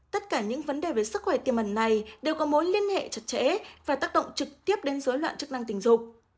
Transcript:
tất cả những vấn đề về sức khỏe tiềm ẩn này đều có mối liên hệ chặt chẽ và tác động trực tiếp đến dối loạn chức năng tình dục